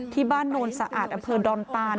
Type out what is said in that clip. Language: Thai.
ที่บ้านนโนสะอาดอดอนปาน